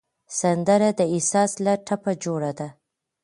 سندره د احساس له ټپه جوړه ده